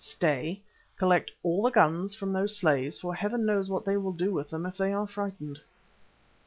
Stay, collect all the guns from those slaves, for heaven knows what they will do with them if they are frightened!"